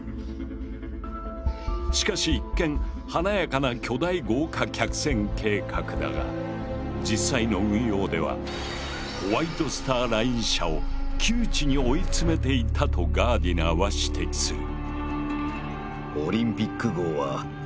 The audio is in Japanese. しかし一見華やかな巨大豪華客船計画だが実際の運用ではホワイト・スター・ライン社を窮地に追い詰めていたとガーディナーは指摘する。